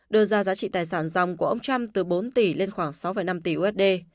đưa ra giá trị tài sản dòng của ông trump từ bốn tỷ lên khoảng sáu năm tỷ usd